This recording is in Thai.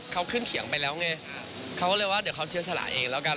เขาขึ้นเขียงไปแล้วไงเขาก็เลยว่าเดี๋ยวเขาเสียสละเองแล้วกัน